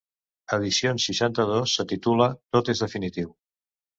Edicions seixanta-dos, se titula "Tot és definitiu".